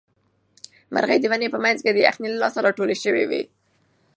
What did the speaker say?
مرغۍ د ونې په منځ کې د یخنۍ له لاسه راټولې شوې وې.